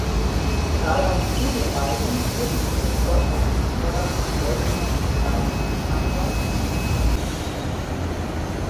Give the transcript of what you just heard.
Zahlreiche Studienreisen führten ihn durch Deutschland, Holland, Belgien, Italien, Frankreich und Nordafrika.